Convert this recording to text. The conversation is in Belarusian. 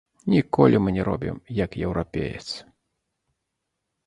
Ніколі мы не робім, як еўрапеец.